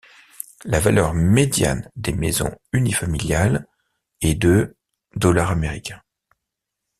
La valeur médiane des maisons unifamiliales est de dollars américains.